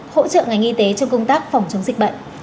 hỗ trợ ngành y tế trong công tác phòng chống dịch bệnh